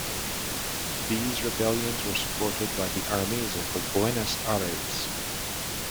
These rebellions were supported by the armies of Buenos Aires.